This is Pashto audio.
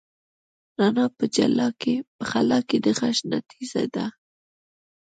رڼا په خلا کې د غږ نه تېزه ده.